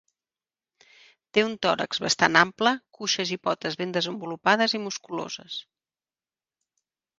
Té un tòrax bastant ample, cuixes i potes ben desenvolupades i musculoses.